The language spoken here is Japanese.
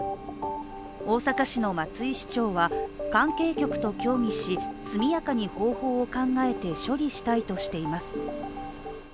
大阪市の松井市長は、関係局と協議し速やかに方法を考えて処理したいとしています。